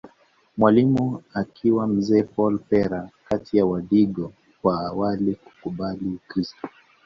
Mwalimu akiwa mzee Paul Pera kati ya wadigo wa awali kukubali Ukiristo